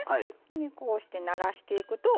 こうして、ならしていくと。